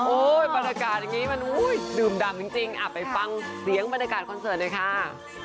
บรรยากาศอย่างนี้มันดื่มดำจริงไปฟังเสียงบรรยากาศคอนเสิร์ตหน่อยค่ะ